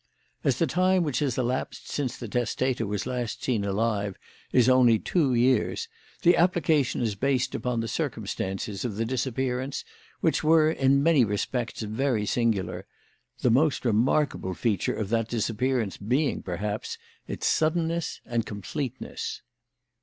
As the time which has elapsed since the testator was last seen alive is only two years, the application is based upon the circumstances of the disappearance, which were, in many respects, very singular, the most remarkable feature of that disappearance being, perhaps, its suddenness and completeness."